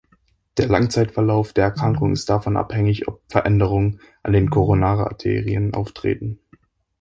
Der Langzeitverlauf der Erkrankung ist davon abhängig, ob Veränderungen an den Koronararterien auftreten.